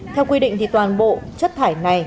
theo quy định thì toàn bộ chất thải này